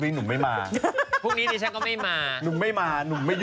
พรุ่งนี้หนุ่มไม่มา